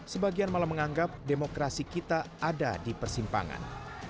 sebagian malah menganggap demokrasi kita ada di persimpangan